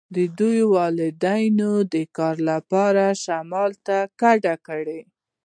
د دوی والدینو د کار لپاره شمال ته کډه کړې